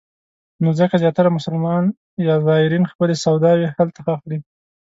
نو ځکه زیاتره مسلمان زایرین خپلې سوداوې هلته اخلي.